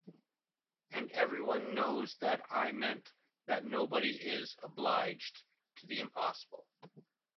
And everyone knows that I meant that nobody is obliged to the impossible.